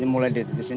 mulai di sini